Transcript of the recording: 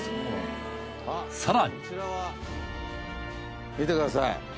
更に見てください。